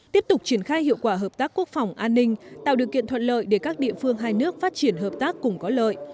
tiếp tục triển khai hiệu quả hợp tác quốc phòng an ninh tạo điều kiện thuận lợi để các địa phương hai nước phát triển hợp tác cùng có lợi